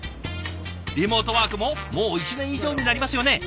リモートワークももう１年以上になりますよね。